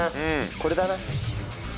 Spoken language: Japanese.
これだな。